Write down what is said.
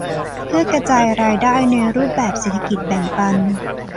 เพื่อกระจายรายได้ในรูปแบบเศรษฐกิจแบ่งปัน